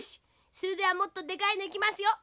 それではもっとでかいのいきますよ！